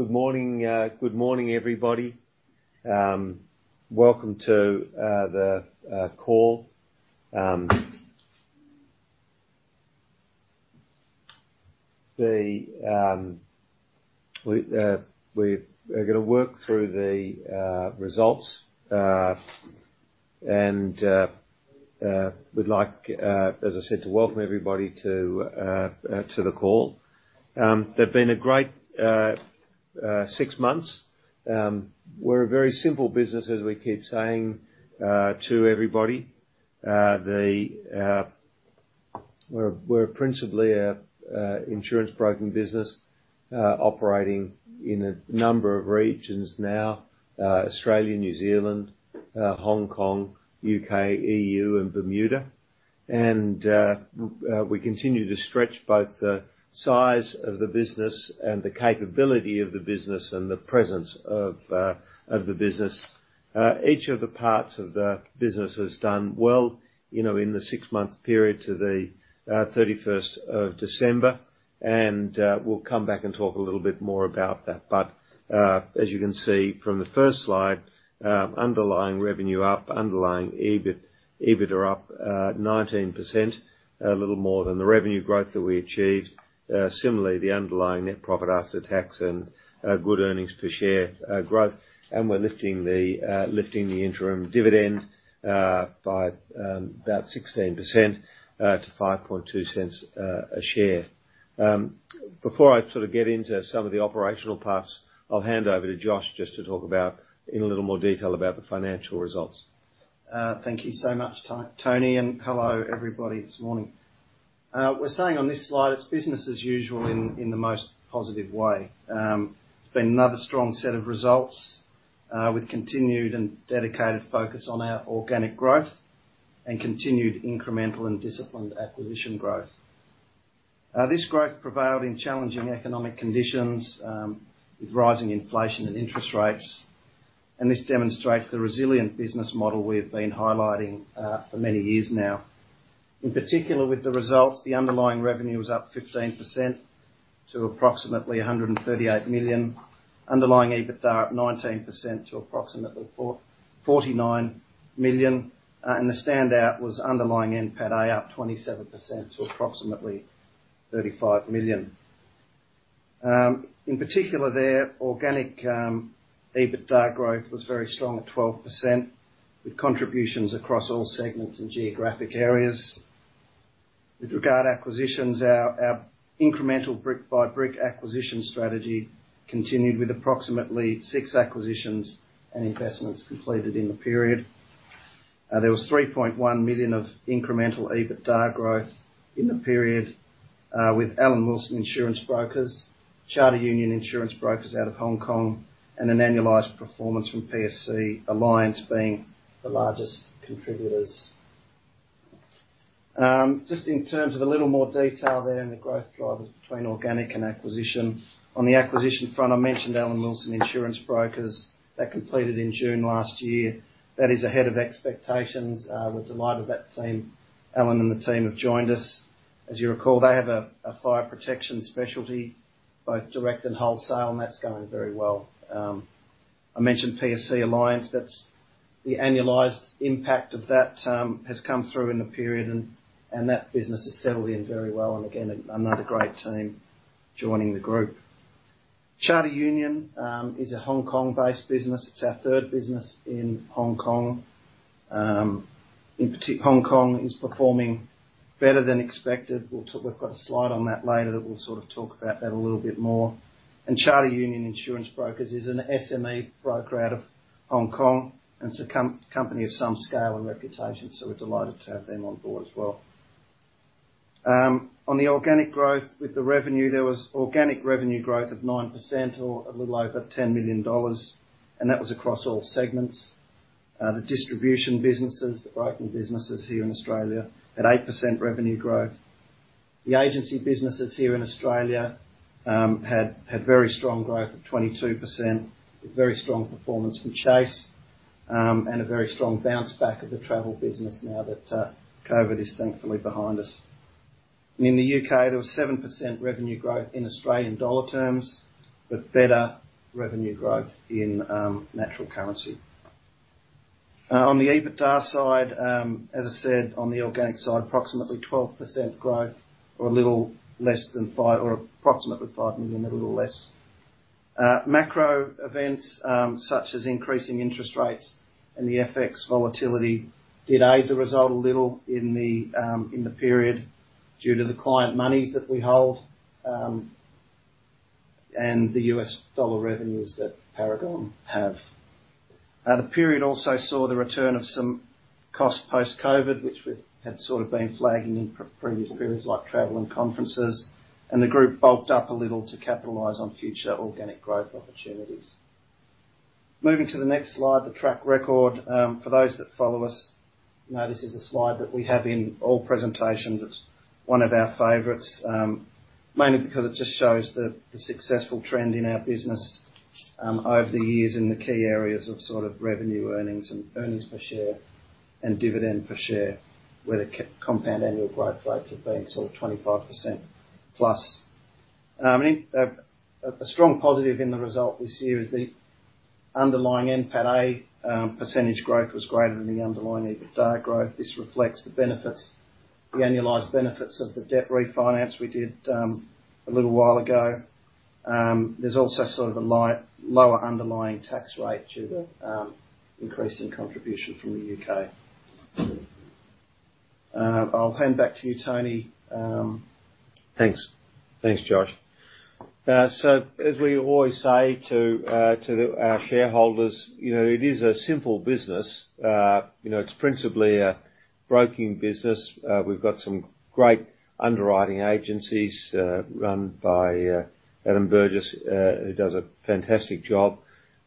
Good morning. Good morning, everybody. Welcome to the call. We're gonna work through the results. We'd like, as I said, to welcome everybody to the call. They've been a great six months. We're a very simple business, as we keep saying, to everybody. We're principally an insurance broking business, operating in a number of regions now, Australia, New Zealand, Hong Kong, U.K., EU and Bermuda. We continue to stretch both the size of the business and the capability of the business and the presence of the business. Each of the parts of the business has done well, you know, in the six-month period to the 31st of December. We'll come back and talk a little bit more about that. As you can see from the first slide, underlying revenue up, underlying EBIT, EBITDA up 19%, a little more than the revenue growth that we achieved. Similarly, the underlying net profit after tax and good earnings per share growth. We're lifting the interim dividend by about 16% to 0.052 a share. Before I sort of get into some of the operational parts, I'll hand over to Josh just to talk in a little more detail about the financial results. Thank you so much Tony, hello everybody this morning. We're saying on this slide, it's business as usual in the most positive way. It's been another strong set of results, with continued and dedicated focus on our organic growth and continued incremental and disciplined acquisition growth. This growth prevailed in challenging economic conditions, with rising inflation and interest rates, this demonstrates the resilient business model we've been highlighting for many years now. In particular, with the results, the underlying revenue was up 15% to approximately 138 million. Underlying EBITDA up 19% to approximately 49 million. The standout was underlying NPATA up 27% to approximately 35 million. In particular there, organic EBITDA growth was very strong at 12%, with contributions across all segments and geographic areas. With regard acquisitions, our incremental brick by brick acquisition strategy continued with approximately six acquisitions and investments completed in the period. There was 3.1 million of incremental EBITDA growth in the period with Alan Wilson Insurance Brokers, Charter-Union Insurance Brokers out of Hong Kong, and an annualized performance from PSC Alliance being the largest contributors. Just in terms of a little more detail there in the growth drivers between organic and acquisition. On the acquisition front, I mentioned Alan Wilson Insurance Brokers, that completed in June last year. That is ahead of expectations. We're delighted that team, Alan and the team have joined us. As you recall, they have a fire protection specialty, both direct and wholesale, and that's going very well. I mentioned PSC Alliance. That's the annualized impact of that has come through in the period and that business has settled in very well and again, another great team joining the group. Charter-Union is a Hong Kong-based business. It's our third business in Hong Kong. Hong Kong is performing better than expected. We've got a slide on that later that we'll sort of talk about that a little bit more. Charter-Union Insurance Brokers is an SME broker out of Hong Kong and it's a company of some scale and reputation, so we're delighted to have them on board as well. On the organic growth with the revenue, there was organic revenue growth of 9% or a little over 10 million dollars, and that was across all segments. The distribution businesses, the broking businesses here in Australia at 8% revenue growth. The agency businesses here in Australia had very strong growth of 22%, with very strong performance from Chase and a very strong bounce back of the travel business now that COVID is thankfully behind us. In the U.K., there was 7% revenue growth in Australian dollar terms, but better revenue growth in natural currency. On the EBITDA side, as I said, on the organic side, approximately 12% growth or a little less than 5 million or approximately 5 million, a little less. Macro events, such as increasing interest rates and the FX volatility did aid the result a little in the period due to the client monies that we hold and the U.S. dollar revenues that Paragon have. The period also saw the return of some cost post-COVID, which we had sort of been flagging in previous periods like travel and conferences. The group bulked up a little to capitalize on future organic growth opportunities. Moving to the next slide, the track record. For those that follow us, you know this is a slide that we have in all presentations. It's one of our favorites, mainly because it just shows the successful trend in our business over the years in the key areas of sort of revenue earnings and earnings per share and dividend per share, where the compound annual growth rates have been sort of 25%+. A strong positive in the result this year is the underlying NPATA percentage growth was greater than the underlying EBITDA growth. This reflects the benefits, the annualized benefits of the debt refinance we did, a little while ago. There's also sort of a lower underlying tax rate due to increase in contribution from the U.K. I'll hand back to you, Tony. Thanks. Thanks, Josh. As we always say to the, our shareholders, you know, it is a simple business. You know, it's principally a broking business. We've got some great underwriting agencies, run by, Adam Burgess, who does a fantastic job.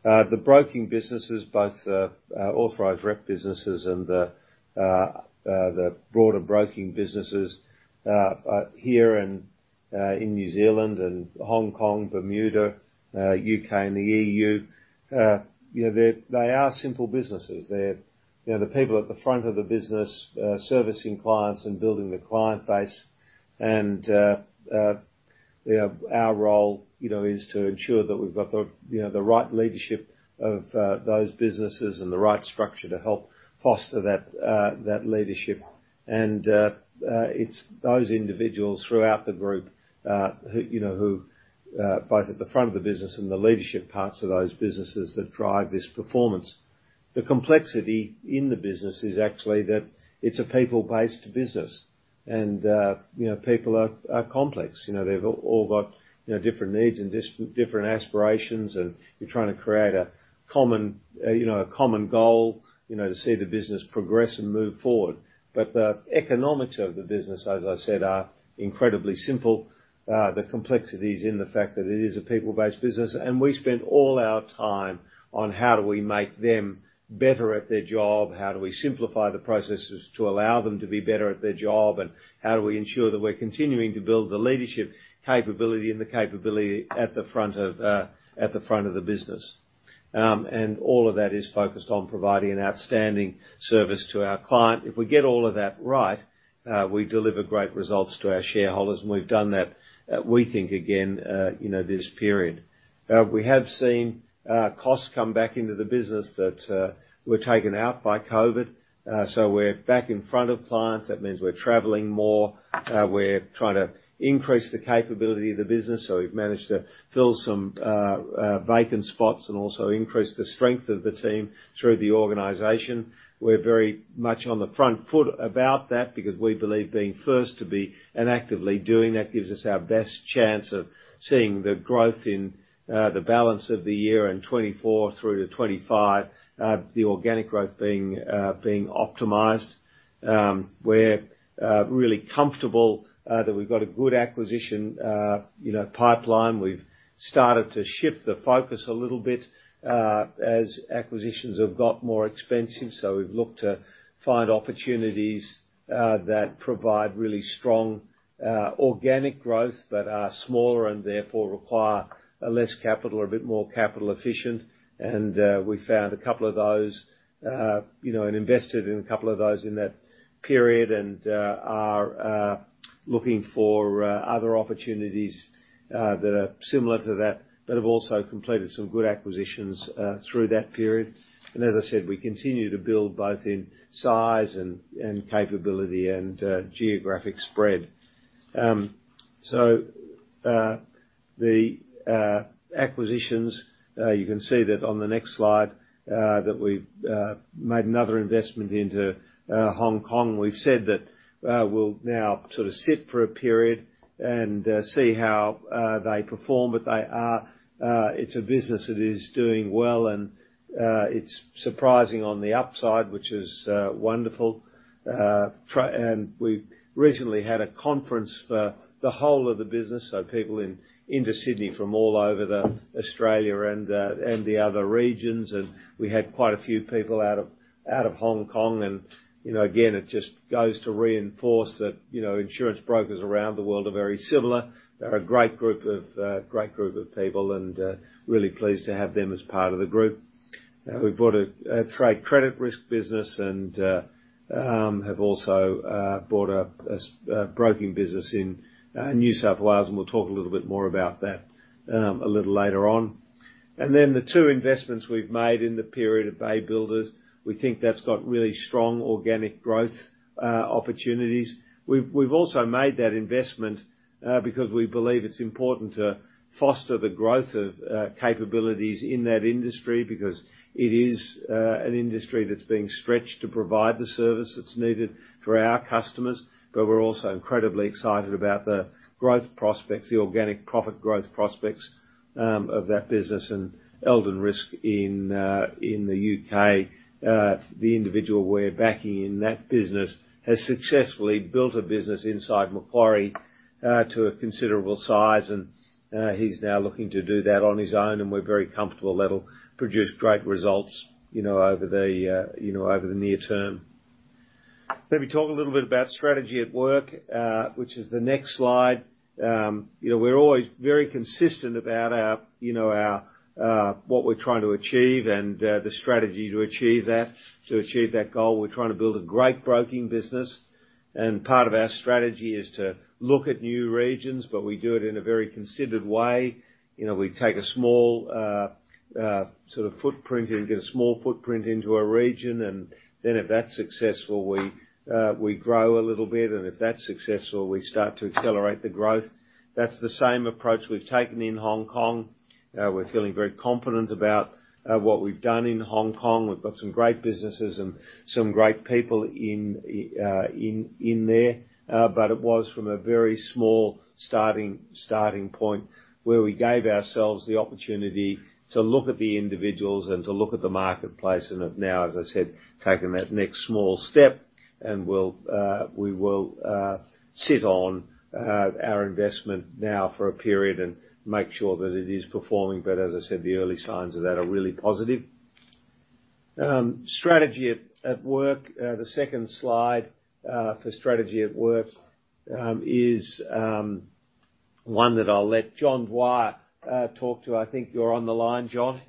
The broking businesses, both, our authorized rep businesses and the broader broking businesses, are here and, in New Zealand and Hong Kong, Bermuda, U.K. and the EU. You know, They are simple businesses. They're, you know, the people at the front of the business, servicing clients and building the client base. You know, our role, you know, is to ensure that we've got the, you know, the right leadership of, those businesses and the right structure to help foster that leadership. It's those individuals throughout the group who, you know, who both at the front of the business and the leadership parts of those businesses that drive this performance. The complexity in the business is actually that it's a people-based business, and, you know, people are complex. You know, they've all got, you know, different needs and different aspirations, and you're trying to create a common, you know, a common goal, you know, to see the business progress and move forward. The economics of the business, as I said, are incredibly simple. The complexity is in the fact that it is a people-based business, and we spend all our time on how do we make them better at their job? How do we simplify the processes to allow them to be better at their job? How do we ensure that we're continuing to build the leadership capability and the capability at the front of, at the front of the business? All of that is focused on providing an outstanding service to our client. If we get all of that right, we deliver great results to our shareholders, and we've done that, we think again, you know, this period. We have seen costs come back into the business that were taken out by COVID. We're back in front of clients. That means we're traveling more. We're trying to increase the capability of the business, so we've managed to fill some vacant spots and also increase the strength of the team through the organization. We're very much on the front foot about that because we believe being first to be and actively doing that gives us our best chance of seeing the growth in the balance of the year and 2024 through to 2025, the organic growth being optimized. We're really comfortable that we've got a good acquisition, you know, pipeline. We've started to shift the focus a little bit, as acquisitions have got more expensive, so we've looked to find opportunities that provide really strong organic growth but are smaller and therefore require less capital or a bit more capital efficient. We found a couple of those, you know, and invested in a couple of those in that period and are looking for other opportunities that are similar to that, but have also completed some good acquisitions through that period. As I said, we continue to build both in size and capability and geographic spread. The acquisitions, you can see that on the next slide, that we've made another investment into Hong Kong. We've said that we'll now sort of sit for a period and see how they perform, but they are it's a business that is doing well and it's surprising on the upside, which is wonderful. We've recently had a conference for the whole of the business, so people into Sydney from all over Australia and the other regions. We had quite a few people out of Hong Kong and, you know, again, it just goes to reinforce that, you know, insurance brokers around the world are very similar. They're a great group of people and really pleased to have them as part of the group. We bought a trade credit risk business and have also bought a broking business in New South Wales, and we'll talk a little bit more about that a little later on. The two investments we've made in the period are Bay Builders. We think that's got really strong organic growth opportunities. We've also made that investment, because we believe it's important to foster the growth of capabilities in that industry because it is an industry that's being stretched to provide the service that's needed for our customers. We're also incredibly excited about the growth prospects, the organic profit growth prospects, of that business, and Eldon Risk in the U.K., the individual we're backing in that business has successfully built a business inside Macquarie, to a considerable size and, he's now looking to do that on his own and we're very comfortable that'll produce great results, you know, over the, you know, over the near term. Maybe talk a little bit about strategy at work, which is the next slide. You know, we're always very consistent about our, you know, our what we're trying to achieve and the strategy to achieve that. To achieve that goal, we're trying to build a great broking business. Part of our strategy is to look at new regions, but we do it in a very considered way. You know, we take a small sort of footprint and get a small footprint into a region. If that's successful, we grow a little bit. If that's successful, we start to accelerate the growth. That's the same approach we've taken in Hong Kong. We're feeling very confident about what we've done in Hong Kong. We've got some great businesses and some great people in there. It was from a very small starting point where we gave ourselves the opportunity to look at the individuals and to look at the marketplace. Have now, as I said, taken that next small step, and we'll, we will sit on our investment now for a period and make sure that it is performing. As I said, the early signs of that are really positive. Strategy at work, the second slide for strategy at work is one that I'll let John Dwyer talk to. I think you're on the line, John.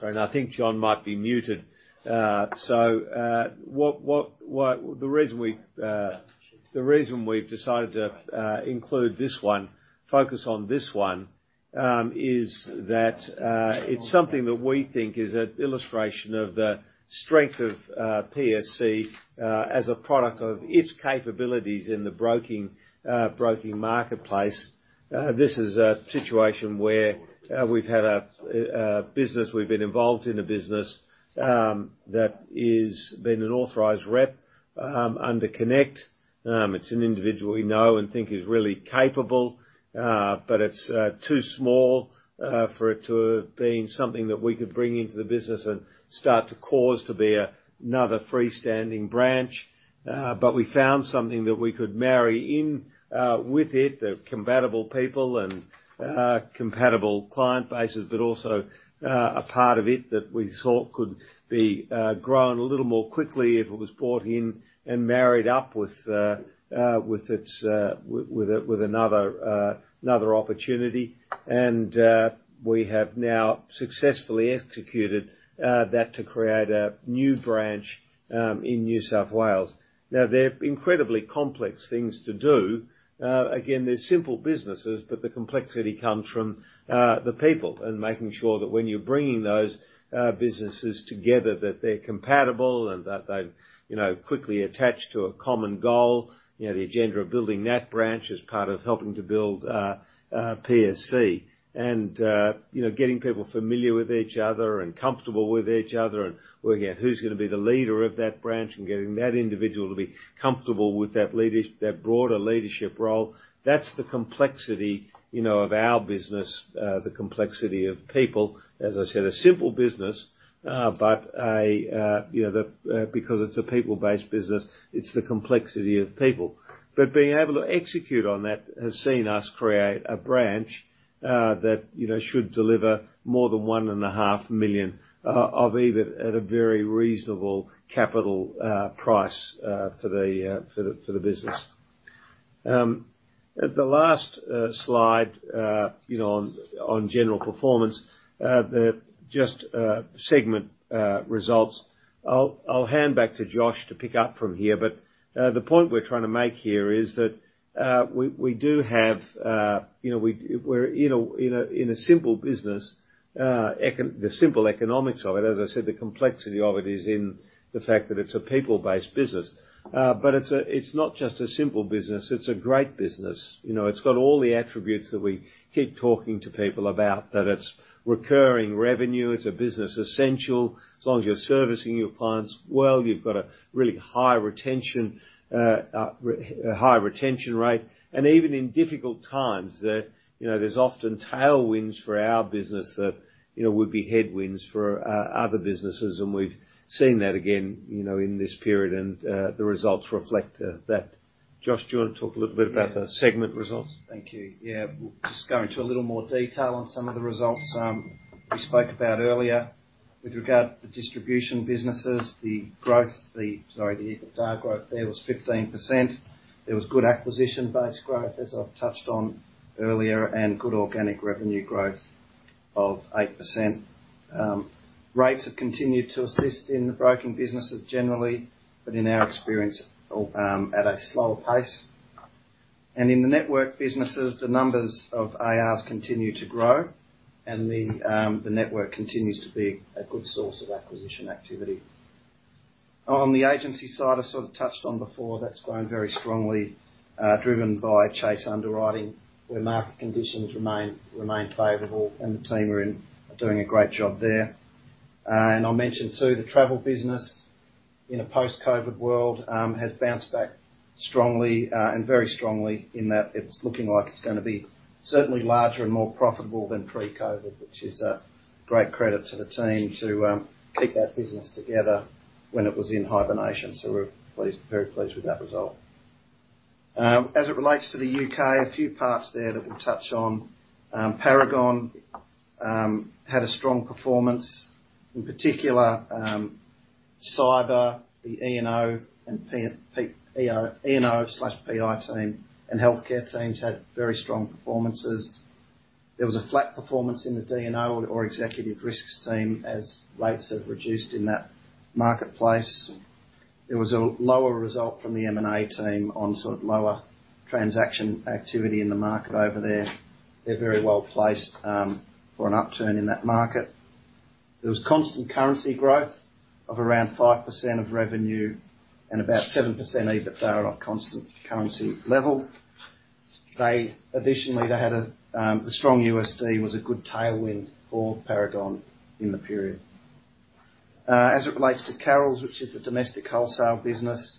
Sorry, and I think John might be muted. The reason we've decided to include this one, focus on this one, is that it's something that we think is an illustration of the strength of PSC, as a product of its capabilities in the broking marketplace. This is a situation where we've had a business, we've been involved in a business, that is been an authorized rep, under Connect. It's an individual we know and think is really capable. It's too small for it to have been something that we could bring into the business and start to cause to be another freestanding branch. We found something that we could marry in with it, the compatible people and compatible client bases, but also a part of it that we thought could be grown a little more quickly if it was brought in and married up with its with another opportunity. We have now successfully executed that to create a new branch in New South Wales. Now, they're incredibly complex things to do. Again, they're simple businesses, but the complexity comes from the people and making sure that when you're bringing those businesses together, that they're compatible and that they've, you know, quickly attached to a common goal. You know, the agenda of building that branch is part of helping to build PSC. You know, getting people familiar with each other and comfortable with each other, and working out who's gonna be the leader of that branch and getting that individual to be comfortable with that broader leadership role. That's the complexity, you know, of our business, the complexity of people. As I said, a simple business, but, you know, because it's a people-based business, it's the complexity of people. Being able to execute on that has seen us create a branch that, you know, should deliver more than 1.5 million of EBITDA at a very reasonable capital price for the business. The last slide, you know, on general performance, the just segment results. I'll hand back to Josh to pick up from here. The point we're trying to make here is that we do have, you know, we're in a simple business, the simple economics of it, as I said, the complexity of it is in the fact that it's a people-based business. It's not just a simple business. It's a great business. You know, it's got all the attributes that we keep talking to people about. That it's recurring revenue. It's a business essential. As long as you're servicing your clients well, you've got a really high retention, a high retention rate. Even in difficult times, the, you know, there's often tailwinds for our business that, you know, would be headwinds for other businesses. We've seen that again, you know, in this period, and the results reflect that. Josh, do you wanna talk a little bit about the segment results? Thank you. Yeah. We'll just go into a little more detail on some of the results we spoke about earlier. With regard to the distribution businesses, the EBITDA growth there was 15%. There was good acquisition-based growth, as I've touched on earlier, and good organic revenue growth of 8%. Rates have continued to assist in the broking businesses generally, but in our experience, at a slower pace. In the network businesses, the numbers of ARs continue to grow, and the network continues to be a good source of acquisition activity. On the agency side, I sort of touched on before, that's grown very strongly, driven by Chase Underwriting, where market conditions remain favorable and the team are doing a great job there. And I mentioned, too, the travel business in a post-COVID world has bounced back strongly, and very strongly in that it's looking like it's gonna be certainly larger and more profitable than pre-COVID, which is a great credit to the team to keep that business together when it was in hibernation. We're pleased, very pleased with that result. As it relates to the U.K., a few parts there that we'll touch on. Paragon had a strong performance, in particular, Cyber, the E&O and E&O/PI team and healthcare teams had very strong performances. There was a flat performance in the D&O or Executive Risks team, as rates have reduced in that marketplace. There was a lower result from the M&A team on sort of lower transaction activity in the market over there. They're very well placed for an upturn in that market. There was constant currency growth of around 5% of revenue and about 7% EBITDA on a constant currency level. Additionally, they had a strong USD was a good tailwind for Paragon in the period. As it relates to Carrolls, which is the domestic wholesale business,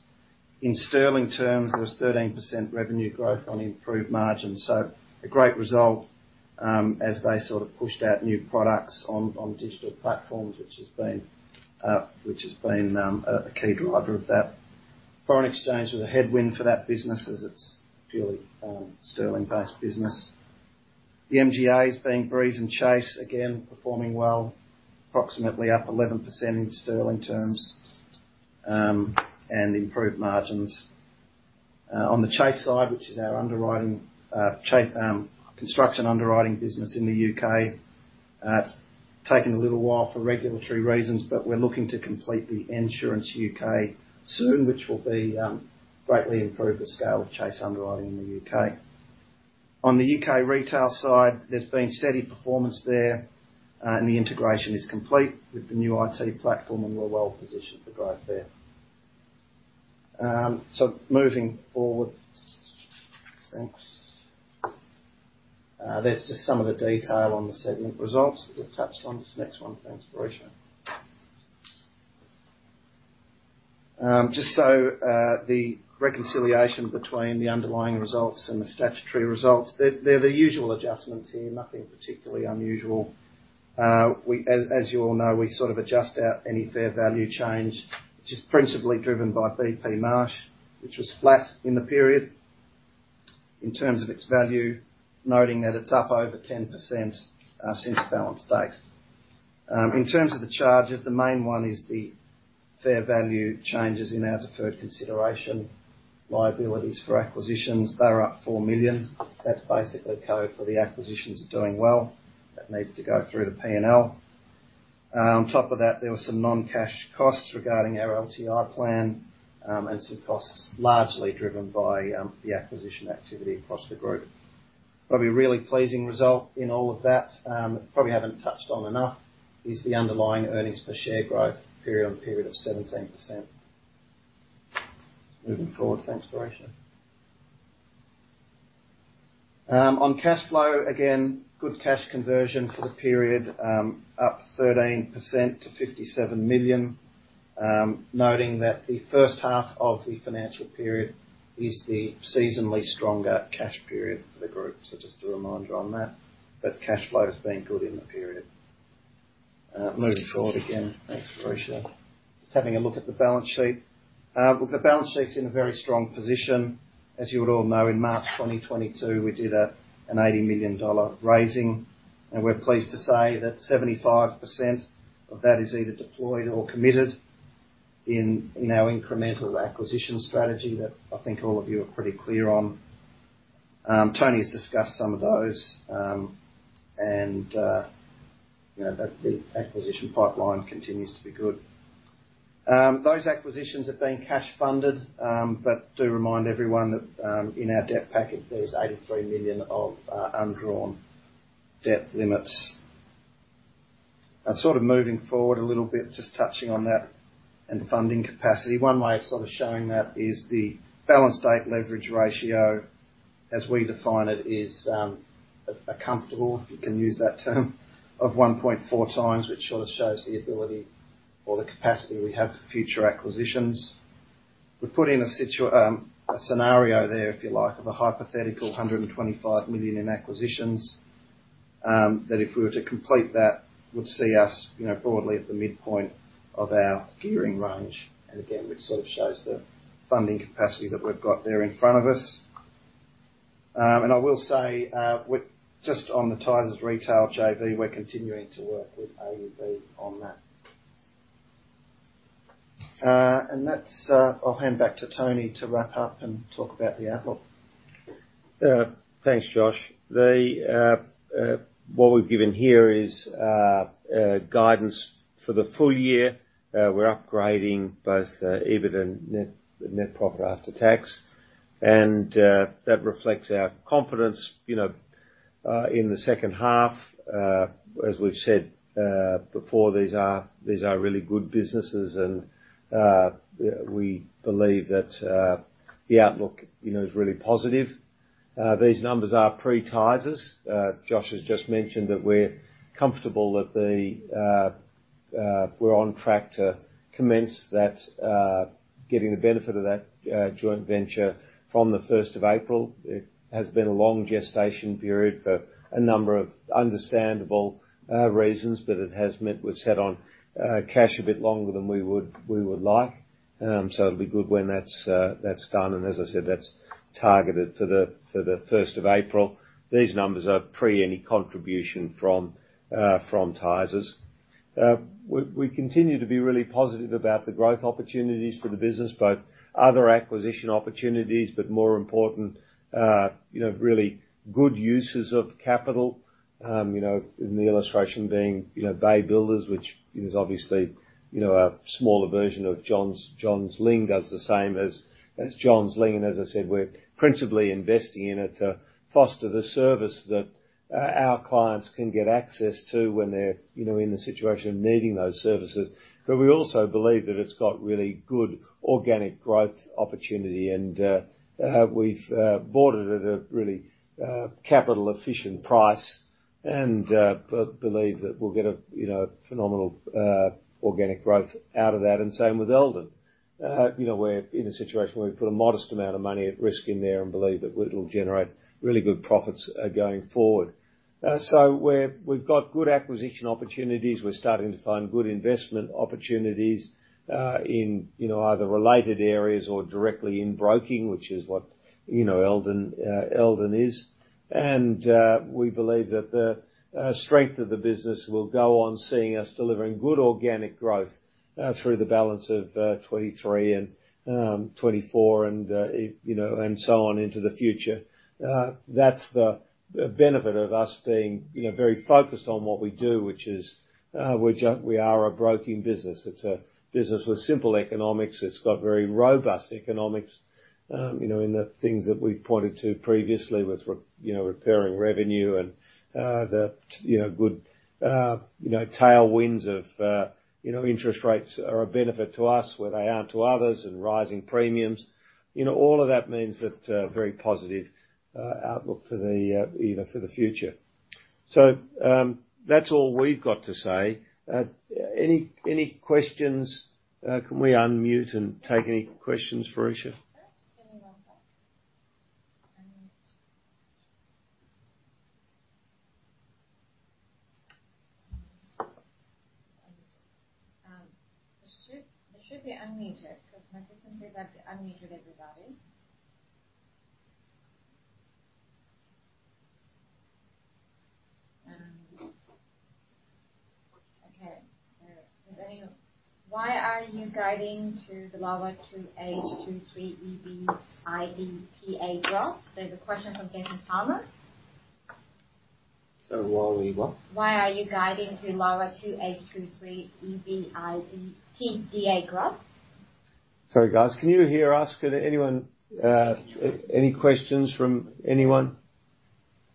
in sterling terms, there was 13% revenue growth on improved margins. A great result, as they sort of pushed out new products on digital platforms, which has been, which has been a key driver of that. Foreign exchange was a headwind for that business as it's purely sterling-based business. The MGAs being Breeze and Chase, again, performing well, approximately up 11% in sterling terms, and improved margins. On the Chase side, which is our underwriting, Chase, construction underwriting business in the U.K., it's taking a little while for regulatory reasons, but we're looking to complete the Ensurance U.K. soon, which will be greatly improve the scale of Chase Underwriting in the U.K. On the U.K. retail side, there's been steady performance there, and the integration is complete with the new IT platform, and we're well positioned for growth there. Moving forward. Thanks. There's just some of the detail on the segment results that we've touched on. This next one. Thanks, Patricia. Just the reconciliation between the underlying results and the statutory results. They're the usual adjustments here, nothing particularly unusual. As, as you all know, we sort of adjust out any fair value change, which is principally driven by BP Marsh, which was flat in the period in terms of its value, noting that it's up over 10% since the balance date. In terms of the charges, the main one is the fair value changes in our deferred consideration liabilities for acquisitions. They were up 4 million. That's basically code for the acquisitions are doing well. That needs to go through the P&L. On top of that, there were some non-cash costs regarding our LTI plan, and some costs largely driven by the acquisition activity across the group. Probably a really pleasing result in all of that, probably haven't touched on enough, is the underlying earnings per share growth period on period of 17%. Moving forward. Thanks, Patricia. On cash flow, again, good cash conversion for the period, up 13% to 57 million. Noting that the first half of the financial period is the seasonally stronger cash period for the group. Just a reminder on that. Cash flow has been good in the period. Moving forward again. Thanks, Patricia. Just having a look at the balance sheet. Look, the balance sheet's in a very strong position. As you would all know, in March 2022, we did an 80 million dollar raising, and we're pleased to say that 75% of that is either deployed or committed in our incremental acquisition strategy that I think all of you are pretty clear on. Tony has discussed some of those, and, you know, the acquisition pipeline continues to be good. Those acquisitions have been cash funded, but do remind everyone that in our debt package, there is 83 million of undrawn debt limits. Sort of moving forward a little bit, just touching on that and funding capacity. One way of sort of showing that is the balance date leverage ratio, as we define it, is a comfortable, if you can use that term, of 1.4x, which sort of shows the ability or the capacity we have for future acquisitions. We've put in a scenario there, if you like, of a hypothetical 125 million in acquisitions, that if we were to complete that, would see us, you know, broadly at the midpoint of our gearing range. Again, which sort of shows the funding capacity that we've got there in front of us. I will say, just on the Tysers retail JV, we're continuing to work with AUB on that. That's, I'll hand back to Tony to wrap up and talk about the outlook. Thanks, Josh. What we've given here is guidance for the full year. We're upgrading both EBIT and net profit after tax. That reflects our confidence, you know, in the second half. As we've said before, these are really good businesses, and we believe that the outlook, you know, is really positive. These numbers are pre-Tysers. Josh has just mentioned that we're comfortable that we're on track to commence that, getting the benefit of that joint venture from the 1st of April. It has been a long gestation period for a number of understandable reasons, but it has meant we've sat on cash a bit longer than we would like. It'll be good when that's done. As I said, that's targeted for the 1st of April. These numbers are pre any contribution from Tysers. We continue to be really positive about the growth opportunities for the business, both other acquisition opportunities but more important, you know, really good uses of capital. You know, in the illustration being, you know, Bay Builders, which is obviously, you know, a smaller version of Johns Lyng does the same as Johns Lyng. As I said, we're principally investing in it to foster the service that our clients can get access to when they're, you know, in the situation of needing those services. We also believe that it's got really good organic growth opportunity, and we've bought it at a really capital efficient price and believe that we'll get a, you know, phenomenal organic growth out of that, and same with Eldon. You know, we're in a situation where we put a modest amount of money at risk in there and believe that it'll generate really good profits going forward. So we've got good acquisition opportunities. We're starting to find good investment opportunities in, you know, either related areas or directly in broking, which is what, you know, Eldon is. We believe that the strength of the business will go on seeing us delivering good organic growth through the balance of 2023 and 2024 and, you know, and so on into the future. That's the benefit of us being, you know, very focused on what we do, which is, which we are a broking business. It's a business with simple economics. It's got very robust economics, you know, in the things that we've pointed to previously with recurring revenue and the, you know, good, you know, tailwinds of, you know, interest rates are a benefit to us where they aren't to others and rising premiums. You know, all of that means that very positive outlook for the, you know, for the future. That's all we've got to say. Any, any questions? Can we unmute and take any questions, Farisha? All right. Just give me one sec. They should be unmuted because my system says I've unmuted everybody. Okay. If there's any... Why are you guiding to the lower 2H 2023 EBITDA growth? There's a question from Jason Palmer. Sorry, why are we what? Why are you guiding to lower 2H 23 EBITDA growth? Sorry, guys. Can you hear us? Could anyone? Yes, we can hear you. Any questions from anyone?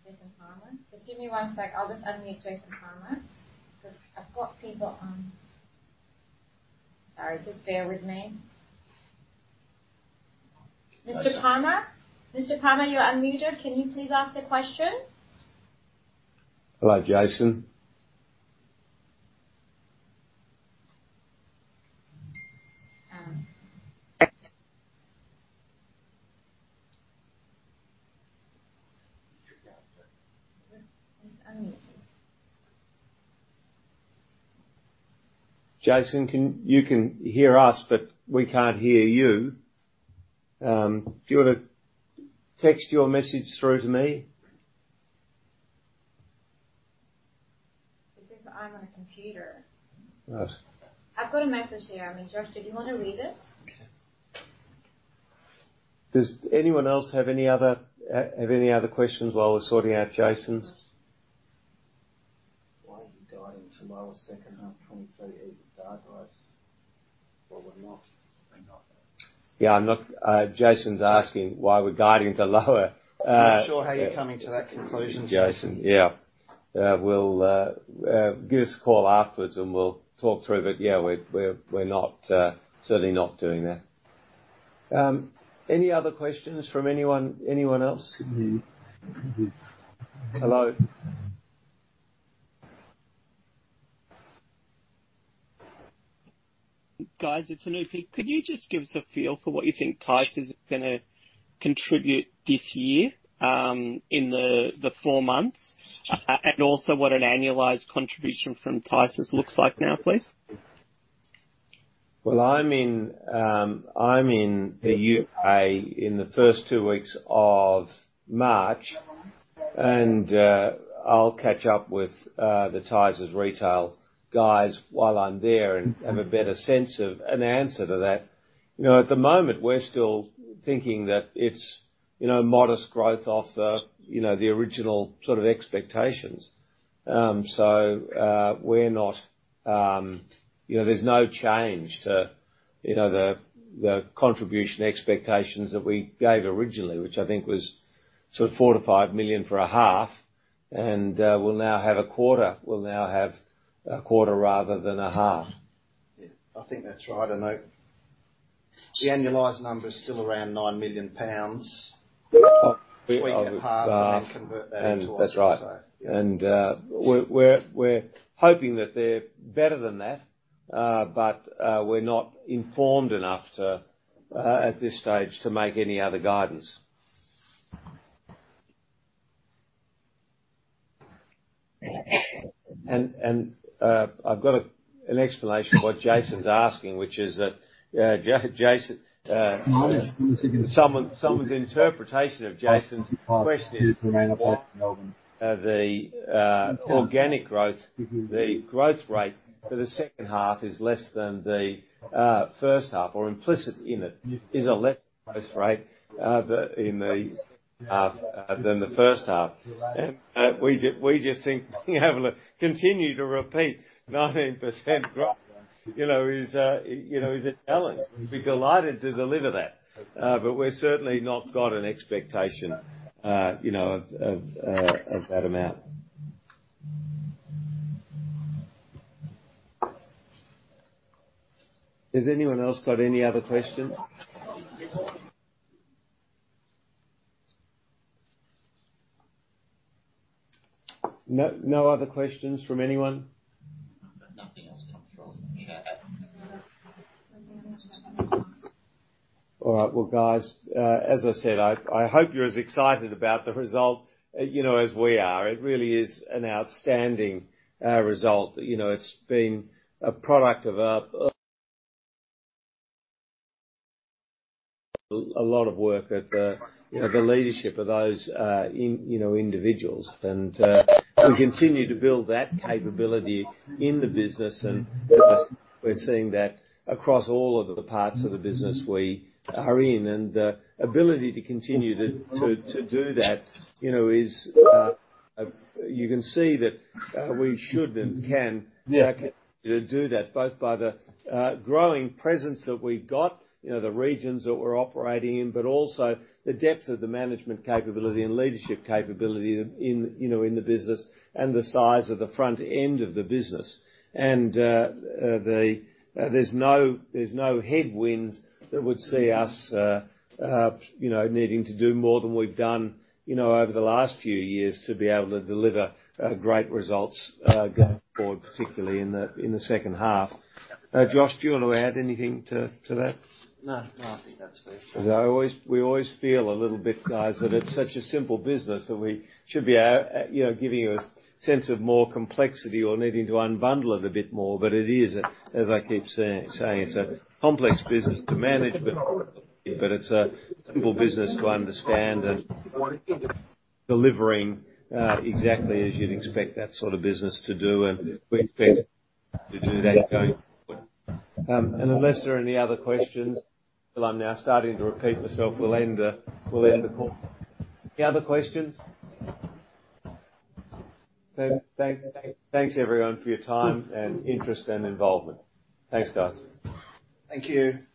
Jason Palmer. Just give me one sec. I'll just unmute Jason Palmer because I've got people on... Sorry, just bear with me. Mr. Palmer, you're unmuted. Can you please ask the question? Hello, Jason. Um. Jason, you can hear us, but we can't hear you. Do you wanna text your message through to me? He says, "I'm on a computer. Right. I've got a message here. I mean, Josh, did you wanna read it? Okay. Does anyone else have any other, have any other questions while we're sorting out Jason's? Why are you guiding to lower second half 2023 EBITDA growth? We're not. We're not. Yeah. I'm not... Jason's asking, why we're guiding to lower... Not sure how you're coming to that conclusion. Jason, yeah. We'll give us a call afterwards, and we'll talk through. Yeah, we're not, certainly not doing that. Any other questions from anyone else? Can you hear this? Hello. Guys, it's Anup. Could you just give us a feel for what you think Tysers is gonna contribute this year, in the 4 months, and also what an annualized contribution from Tysers looks like now, please? Well, I'm in the U.K. in the first two weeks of March, and I'll catch up with the Tysers retail guys while I'm there and have a better sense of an answer to that. You know, at the moment, we're still thinking that it's, you know, modest growth off the, you know, the original sort of expectations. You know, there's no change to, you know, the contribution expectations that we gave originally, which I think was 4 million-5 million for a half. We'll now have a quarter rather than a half. Yeah. I think that's right. I know. The annualized number is still around 9 million pounds. Of, We get half and then convert that into- That's right. We're hoping that they're better than that, but we're not informed enough to at this stage to make any other guidance. I've got an explanation of what Jason's asking, which is that Jason, someone's interpretation of Jason's question is the organic growth, the growth rate for the second half is less than the first half or implicit in it is a less growth rate in the second half than the first half. We just think being able to continue to repeat 19% growth, you know, is, you know, is appealing. We'd be delighted to deliver that. We've certainly not got an expectation, you know, of that amount. Has anyone else got any other questions? No, no other questions from anyone? I've got nothing else coming from here. All right. Well, guys, as I said, I hope you're as excited about the result, you know, as we are. It really is an outstanding result. You know, it's been a product of a lot of work at the leadership of those, you know, individuals. We continue to build that capability in the business. We're seeing that across all of the parts of the business we are in. The ability to continue to do that, you know, is. You can see that we should and can do that both by the growing presence that we've got, you know, the regions that we're operating in, but also the depth of the management capability and leadership capability in, you know, in the business and the size of the front end of the business. There's no headwinds that would see us, you know, needing to do more than we've done, you know, over the last few years to be able to deliver great results going forward, particularly in the second half. Josh, do you want to add anything to that? No. No, I think that's fair. Because we always feel a little bit guys that it's such a simple business that we should be out, you know, giving you a sense of more complexity or needing to unbundle it a bit more. It is, as I keep saying, it's a complex business to manage. It's a simple business to understand and delivering exactly as you'd expect that sort of business to do. We expect to do that going forward. Unless there are any other questions, well I'm now starting to repeat myself, we'll end the call. Any other questions? Thanks everyone for your time and interest and involvement. Thanks, guys. Thank you.